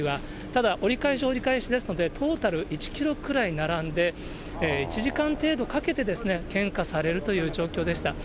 ただ、折り返し折り返しですので、トータル１キロくらい並んで、１時間程度かけて、献花されるという状況でした。